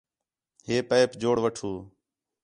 ہے پائپیک جوڑ وٹھو